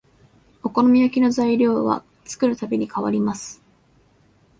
お好み焼きの材料は作るたびに変わります